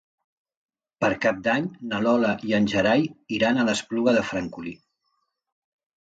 Per Cap d'Any na Lola i en Gerai iran a l'Espluga de Francolí.